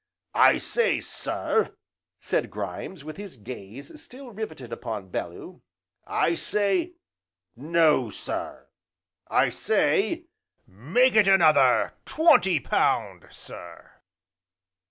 "I say, sir," said Grimes, with his gaze still riveted upon Bellew, "I say no sir, I say make it another twenty pound sir!"